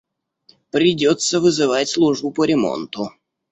Придётся вызывать службу по ремонту.